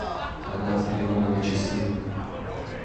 Она взглянула на часы.